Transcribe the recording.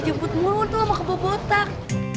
dijemput mulu tuh sama kebobotak